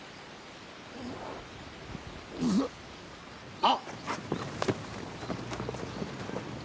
あっ！？